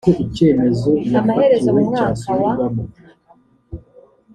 amaherezo mu mwaka wa